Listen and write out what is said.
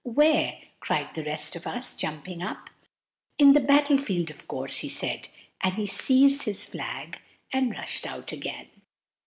"Where?" cried the rest of us, jumping up. "In the battle field, of course!" he said; and he seized his flag and rushed out again.